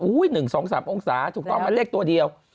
อู้้ย๑๒๓องศาถูกต้องมาเลขตัวเดียว